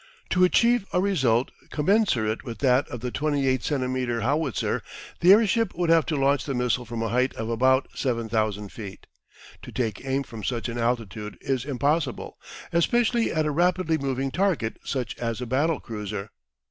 To achieve a result commensurate with that of the 28 centimetre howitzer the airship would have to launch the missile from a height of about 7,000 feet. To take aim from such an altitude is impossible, especially at a rapidly moving target such as a battle cruiser.